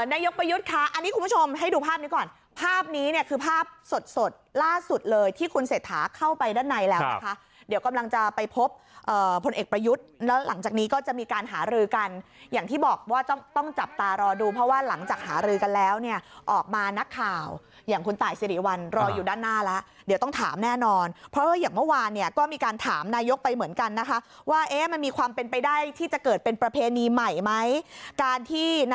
นายกประยุทธค่ะอันนี้คุณผู้ชมให้ดูภาพนี้ก่อนภาพนี้เนี่ยคือภาพสดล่าสุดเลยที่คุณเสร็จหาเข้าไปด้านในแล้วนะคะนายกประยุทธค่ะอันนี้คุณผู้ชมให้ดูภาพนี้ก่อนภาพนี้เนี่ยคือภาพสดล่าสุดเลยที่คุณเสร็จหาเข้าไปด้านในแล้วนะคะนายกประยุทธค่ะอันนี้คุณผู้ชมให้ดูภาพนี้ก่อน